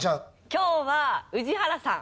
今日は宇治原さん。